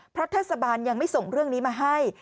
เพราะเทศบาลยังไม่ส่งเรื่องนี้มาให้